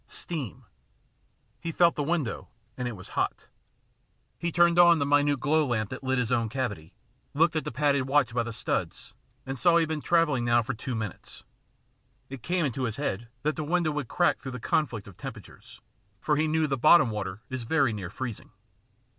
Steam ! He felt the window, and it was hot. He turned on the minute glow lamp that lit his own cavity, looked at the padded watch by the studs, and saw he had been travelling now for two minutes. It came into his head that the window would crack through the conflict of temperatures, for he knew the bottom water is very near freezing.